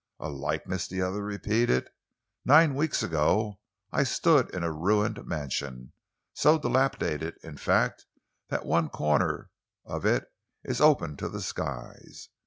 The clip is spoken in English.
"A likeness!" the other repeated. "Nine weeks ago I stood in a ruined mansion so dilapidated, in fact, that one corner of it is open to the skies.